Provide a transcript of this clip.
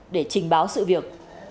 để trình báo sự việc